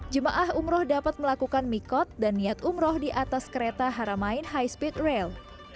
jemaah umroh dapat melakukan mikot dan niat umroh di atas kereta haramain high speed rail